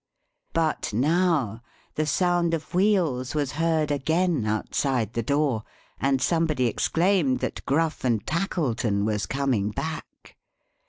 But now the sound of wheels was heard again outside the door; and somebody exclaimed that Gruff and Tackleton was coming back.